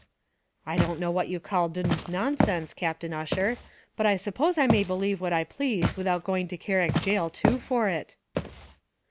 "I don't know what you call d d nonsense, Captain Ussher; but I suppose I may believe what I please without going to Carrick Gaol too for it."